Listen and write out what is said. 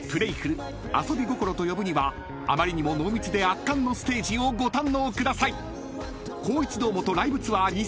遊び心と呼ぶにはあまりにも濃密で圧巻のステージをご堪能ください］